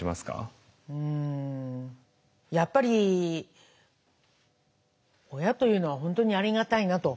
うんやっぱり親というのは本当にありがたいなと。